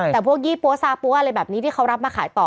แต่พวกยี่ปั๊วซาปั๊วอะไรแบบนี้ที่เขารับมาขายต่อ